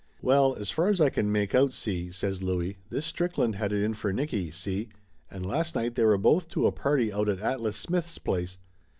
"Well, as far as I can make out, see," says Louie, "this Strickland had it in for Nicky, see, and last night they were both to a party out at Atlas Smith's place.